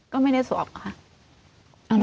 ก็ไม่ได้สวมค่ะ